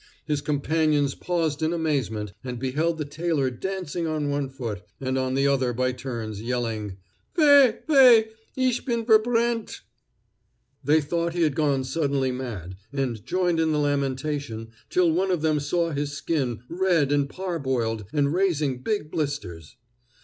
His companions paused in amazement, and beheld the tailor dancing on one foot and on the other by turns, yelling: "Weh! Weh! Ich bin verbrennt!" They thought he had gone suddenly mad, and joined in the lamentation, till one of them saw his skin red and parboiled and raising big blisters.